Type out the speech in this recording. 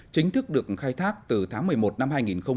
chính thức được khai thác từ tháng một mươi một năm hai nghìn một mươi chín